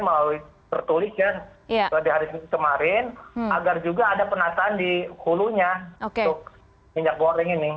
melalui tertulis ya di hari kemarin agar juga ada penataan di hulunya untuk minyak goreng ini